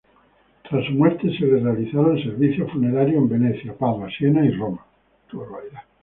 Tras su muerte, se le realizaron servicios funerarios en Venecia, Padua, Siena y Roma.